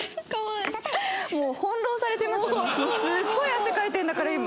すっごい汗かいてるんだから今。